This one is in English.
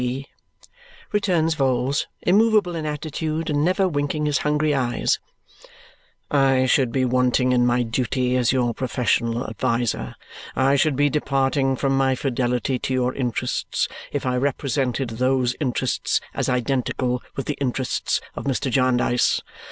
C.," returns Vholes, immovable in attitude and never winking his hungry eyes, "I should be wanting in my duty as your professional adviser, I should be departing from my fidelity to your interests, if I represented those interests as identical with the interests of Mr. Jarndyce.